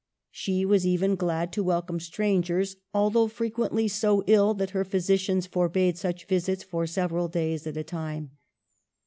She was even glad to welcome strangers, although frequently so ill that her physicians forbade such visits for several days at a time.